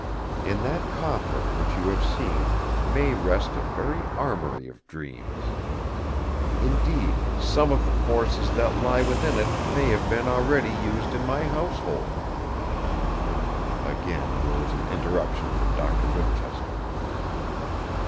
In that coffer, which you have seen, may rest a very armoury of dreams. Indeed, some of the forces that lie within it may have been already used in my household." Again there was an interruption from Doctor Winchester.